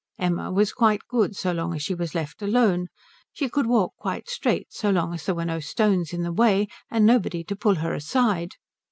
Emma was quite good so long as she was left alone. She could walk quite straight so long as there were no stones in the way and nobody to pull her aside.